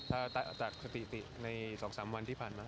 ถ้าตัดสติติในสองสามวันที่ผ่านมา